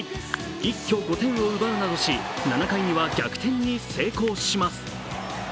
一挙５点を奪うなどし７回には逆転に成功します。